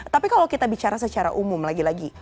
tapi kalau kita bicara secara umum lagi lagi